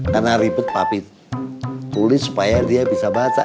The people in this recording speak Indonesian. karena ribet papi tulis supaya dia bisa baca